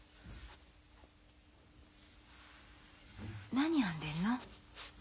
何編んでんの？